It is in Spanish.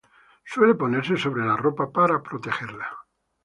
Suele ponerse sobre la ropa para protegerla.